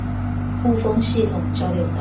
霧峰系統交流道